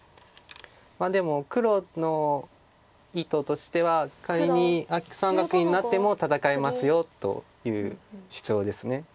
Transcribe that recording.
でも黒の意図としては仮にアキ三角になっても戦えますよという主張です。